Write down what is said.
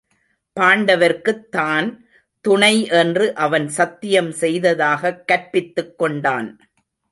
பாண்டவர்க்குத் தான் துணை என்று அவன் சத்தியம் செய்ததாகக் கற்பித்துக் கொண்டான்.